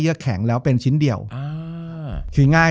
จบการโรงแรมจบการโรงแรม